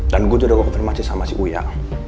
dan gue juga ngekonfirmasi sama si uya